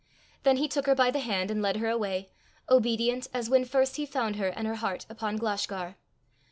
Then he took her by the hand, and led her away, obedient as when first he found her and her heart upon Glashgar.